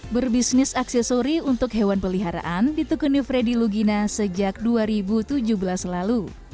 berbisnis aksesori untuk hewan peliharaan ditekuni freddy lugina sejak dua ribu tujuh belas lalu